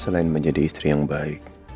selain menjadi istri yang baik